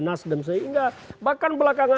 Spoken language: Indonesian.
nasdem sehingga bahkan belakang